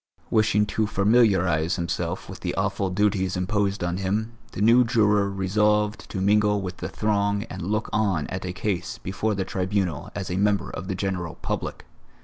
Wishing to familiarize himself with the awful duties imposed on him, the new juror resolved to mingle with the throng and look on at a case before the Tribunal as a member of the general public.